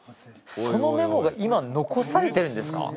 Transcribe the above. そのメモが今残されてるんですか？